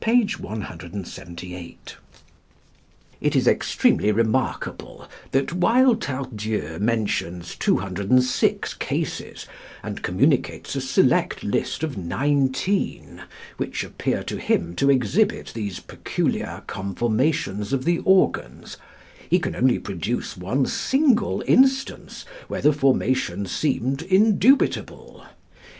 178): "It is extremely remarkable that while Tardieu mentions 206 cases, and communicates a select list of 19, which appear to him to exhibit these peculiar conformations of the organs, he can only produce one single instance where the formation seemed indubitable.